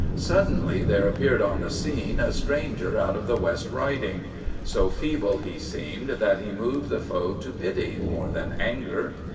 Suddenly there appeared on the scene a stranger out of the West Riding. So feeble he seemed that he moved the foe to pity more than anger.